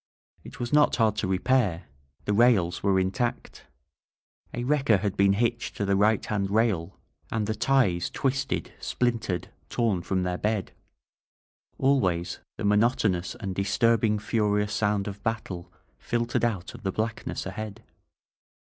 It was not hard to repair — the rails were intact. A wrecker had been hitched to the right hand rail and the ties twisted, splintered, torn from their bed. Always the monotonous and disturbing furious sound of battle fil tered out of the blackness ahead.